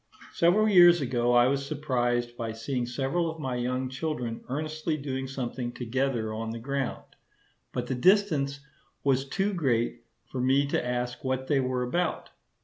Several years ago I was surprised by seeing several of my young children earnestly doing something together on the ground; but the distance was too great for me to ask what they were about.